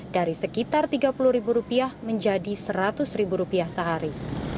dari sekitar tiga puluh ribu rupiah menjadi seratus ribu rupiah sehari